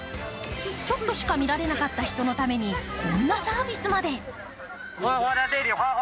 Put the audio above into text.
ちょっとしか見られなかった人のために、こんなサービスまで。